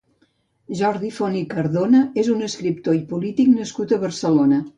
Jordi Font i Cardona és un escriptor i polític nascut a Barcelona.